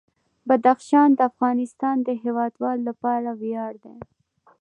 بدخشان د افغانستان د هیوادوالو لپاره ویاړ دی.